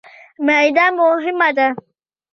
معده مهمه ده.